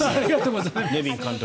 ネビン監督